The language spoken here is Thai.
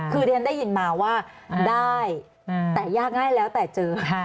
คือที่ฉันได้ยินมาว่าได้แต่ยากง่ายแล้วแต่เจอ